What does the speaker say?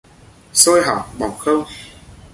Xôi hỏng bỏng không